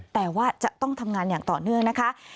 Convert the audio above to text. แต่ว่าจะต้องทำงานอย่างต่อเนื่องนะคะ